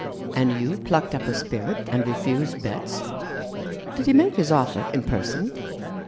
"And you plucked up a spirit and refused Betts ? Did he make his offer in person